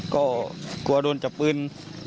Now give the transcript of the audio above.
ก็กลัวโดนจับปืน